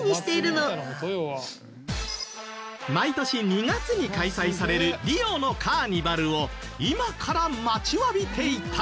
毎年２月に開催されるリオのカーニバルを今から待ちわびていた。